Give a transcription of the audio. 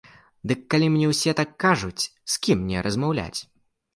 Дык калі мне ўсе так кажуць, з кім мне размаўляць?